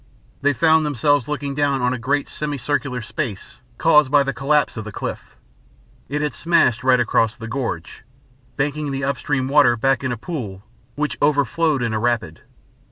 They found themselves looking down on a great semi circular space caused by the collapse of the cliff. It had smashed right across the gorge, banking the up stream water back in a pool which overflowed in a rapid.